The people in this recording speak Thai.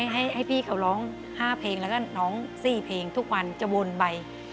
ให้พี่เขาร้อง๕เพลงแล้วก็น้อง๔เพลงทุกวันจะวนไป